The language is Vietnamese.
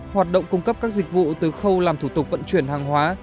hoạt động cung cấp các dịch vụ từ khâu làm thủ tục vận chuyển hàng hóa